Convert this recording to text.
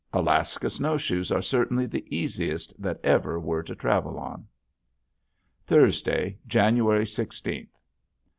Alaska snowshoes are certainly the easiest that ever were to travel on. Thursday, January sixteenth.